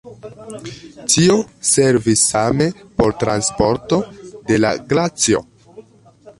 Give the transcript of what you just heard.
Tio servis same por transporto de la glacio.